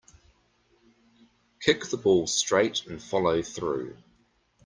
Kick the ball straight and follow through.